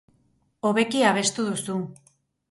Hobeki abestu duzu.